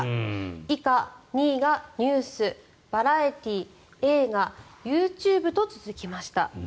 以下２位がニュース、バラエティー映画、ＹｏｕＴｕｂｅと続きました。